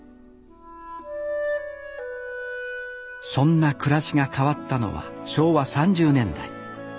そんな暮らしが変わったのは昭和３０年代。